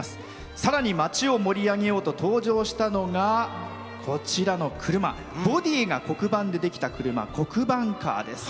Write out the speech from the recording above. さらに町を盛り上げようと登場したのがこちらの車ボディーが黒板でできた車黒板カーです。